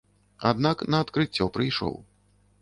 Аднак на адкрыццё прыйшоў.